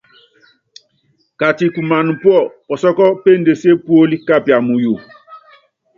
Katikumana púɔ pɔsɔ́kɔ péndesié puóli kapia muyu.